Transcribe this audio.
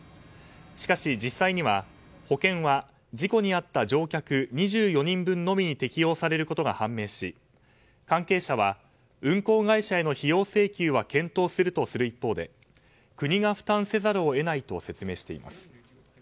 しかし、実際には保険は事故に遭った乗客２４人分のみ適用されることが判明し関係者は運航会社への費用請求は検討するとする一方で国が負担せざるを得ないと説明しています。